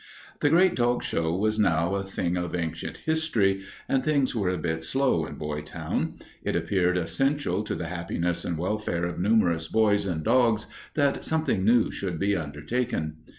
The great dog show was now a thing of ancient history and things were a bit slow in Boytown. It appeared essential to the happiness and welfare of numerous boys and dogs that something new should be undertaken.